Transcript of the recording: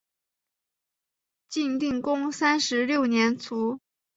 晋定公三十六年卒。